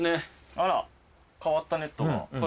あら変わったネットが。